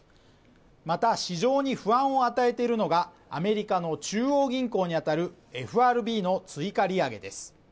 また市場に不安を与えているのがアメリカの中央銀行にあたるＦＲＢの追加利上げです。